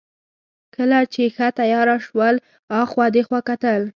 کله چې ښه تېاره شول، اخوا دېخوا کتل.